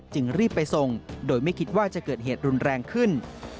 รีบไปส่งโดยไม่คิดว่าจะเกิดเหตุรุนแรงขึ้น